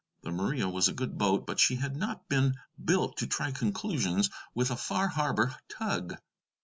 The Maria was a good boat, but she had not been built to try conclusions with a Far Harbor tug.